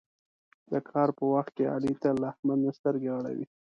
د کار په وخت کې علي تل له احمد نه سترګې غړوي.